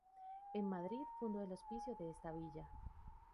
En Madrid fundó el Hospicio de esta villa.